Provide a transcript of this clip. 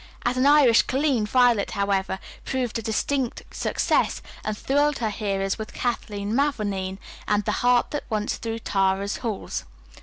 As an Irish colleen, Violet, however, proved a distinct success, and thrilled her hearers with "Kathleen Mavourneen" and "The Harp that Once Through Tara's Halls."